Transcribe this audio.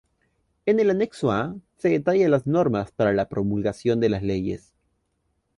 En el anexo A se detalla las normas para la promulgación de las leyes.